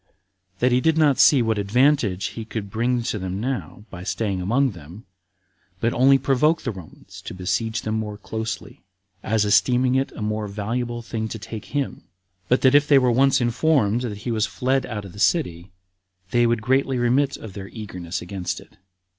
That he did not see what advantage he could bring to them now, by staying among them, but only provoke the Romans to besiege them more closely, as esteeming it a most valuable thing to take him; but that if they were once informed that he was fled out of the city, they would greatly remit of their eagerness against it.